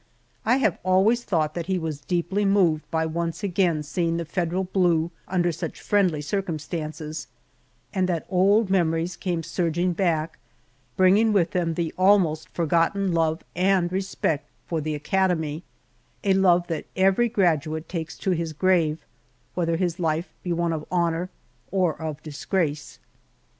I have always thought that he was deeply moved by once again seeing the Federal Blue under such friendly circumstances, and that old memories came surging back, bringing with them the almost forgotten love and respect for the Academy a love that every graduate takes to his grave, whether his life be one of honor or of disgrace.